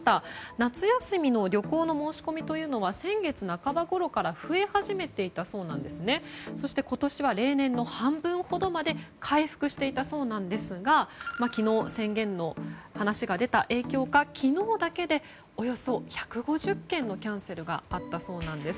夏休みの旅行の申し込みは先月半ばごろから増え始めていたそうで今年は例年の半分ほどまで回復していたそうなんですが昨日、宣言の話が出た影響で昨日だけでおよそ１５０件のキャンセルがあったそうなんです。